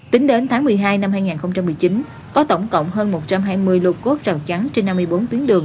tính đến tháng một mươi hai năm hai nghìn một mươi chín có tổng cộng hơn một trăm hai mươi lượt cốt rào chắn trên năm mươi bốn tuyến đường